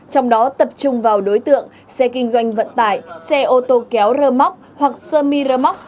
trong đó tập trung vào đối tượng xe kinh doanh vận tải xe ô tô kéo rơ móc hoặc sơ mi rơ móc